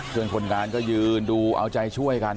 คนงานก็ยืนดูเอาใจช่วยกัน